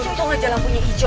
cukup aja lampunya hijau